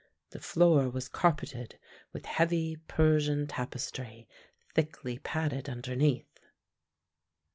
The floor was carpeted with heavy Persian tapestry, thickly padded underneath.